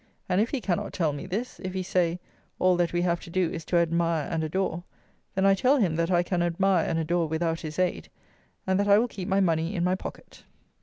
And if he cannot tell me this: if he say, All that we have to do is to admire and adore; then I tell him that I can admire and adore without his aid, and that I will keep my money in my pocket.